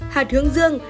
hạt hướng dương